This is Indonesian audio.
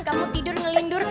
kamu tidur ngelindur